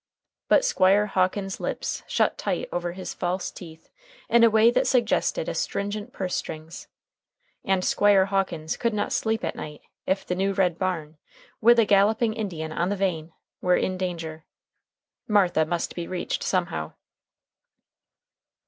But Squire Hawkins's lips shut tight over his false teeth in a way that suggested astringent purse strings, and Squire Hawkins could not sleep at night if the new red barn, with the galloping Indian on the vane, were in danger. Martha must be reached somehow.